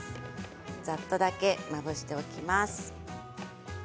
ざっとまぶしておきます。